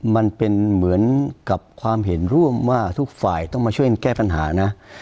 มันเป็นเหมือนกับความเห็นร่วมว่าทุกฝ่ายต้องมาช่วยแก้ปัญหานะ